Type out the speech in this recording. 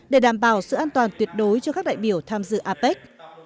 để đảm bảo sự an toàn tuyệt đối cho các đại biểu tham dự apec